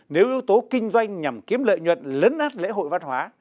nếu yếu tố kinh doanh nhằm kiếm lợi nhuận lấn át lễ hội văn hóa